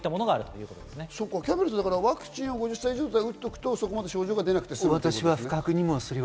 キャンベルさん、ワクチンを５０歳以上で打っておくと、そこまで症状が出なくて済むんですね。